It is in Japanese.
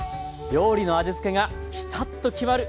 料理の味付けがピタッと決まる！